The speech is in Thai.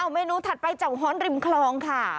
อ้าวเมนูถัดไปจากห้อนริมคลองค่ะ